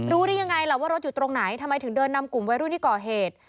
ได้ยังไงล่ะว่ารถอยู่ตรงไหนทำไมถึงเดินนำกลุ่มวัยรุ่นที่ก่อเหตุ